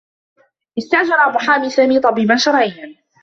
استأجر محامي سامي طبيبا شرعيّا.